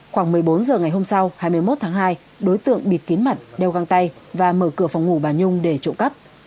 khoảng một mươi bốn h ngày hôm sau hai mươi một tháng hai đối tượng bịt kín mặt đeo găng tay và mở cửa phòng ngủ bà nhung để trộm cắp